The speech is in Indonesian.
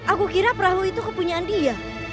aku kira perahu itu kepunyaan dia